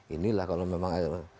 inilah kalau memang